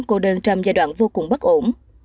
cô đơn trong giai đoạn vô cùng bất ổn